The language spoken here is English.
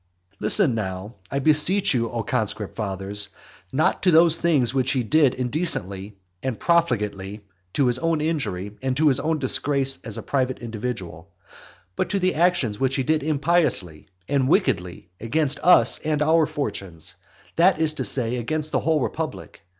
XXI. Listen now, I beseech you, O conscript fathers, not to those things which he did indecently and profligately to his own injury and to his own disgrace as a private individual; but to the actions which he did impiously and wickedly against us and our fortunes, that is to say, against the whole republic.